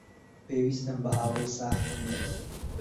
پێویستم بە هاوڕێی ساختە نییە.